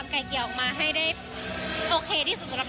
ใช่ค่ะก็เขาไปไกล่เกลี่ยกัน